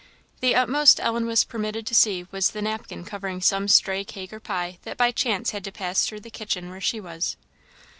The utmost Ellen was permitted to see was the napkin covering some stray cake or pie that by chance had to pass through the kitchen where she was.